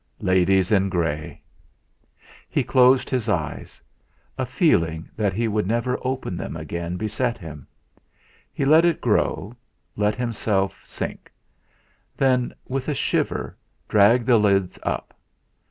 'Ladies in grey!' He closed his eyes. A feeling that he would never open them again beset him; he let it grow, let himself sink; then, with a shiver, dragged the lids up.